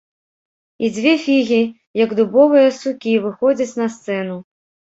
І дзве фігі, як дубовыя сукі, выходзяць на сцэну.